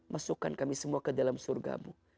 masukkan kami semua ke dalam surgamu